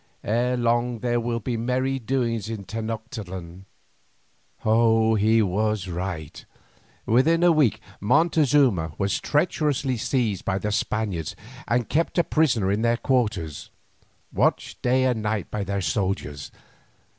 Ere long there will be merry doings in Tenoctitlan." He was right. Within a week Montezuma was treacherously seized by the Spaniards and kept a prisoner in their quarters, watched day and night by their soldiers.